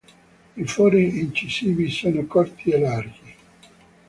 I fori incisivi sono corti e larghi.